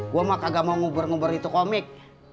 gua mah kagak mau ngubur ngubur itu komik